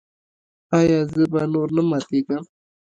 ایا زه به نور نه ماتیږم؟